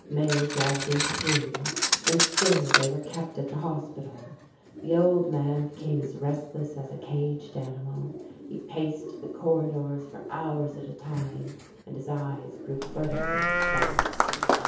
May dragged into June, and still they were kept at the hospital. The old man became as restless as a caged animal; he paced the corridors for hours at a time and his eyes grew furtive and defiant.